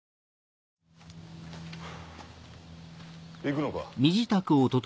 行くのか。